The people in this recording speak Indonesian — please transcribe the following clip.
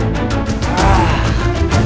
tapi musuh aku bobby